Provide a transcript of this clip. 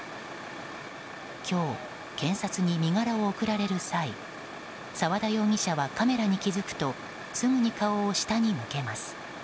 今日、検察に身柄を送られる際沢田容疑者はカメラに気付くとすぐに顔を下に向けます。